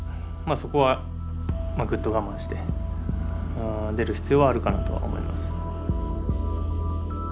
そこはぐっと我慢して出る必要はあるかなとは思います。